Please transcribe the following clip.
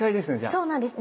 そうなんです。